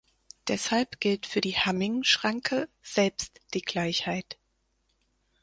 Deshalb gilt für die Hamming-Schranke selbst die Gleichheit.